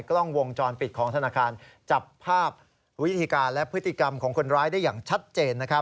กล้องวงจรปิดของธนาคารจับภาพวิธีการและพฤติกรรมของคนร้ายได้อย่างชัดเจน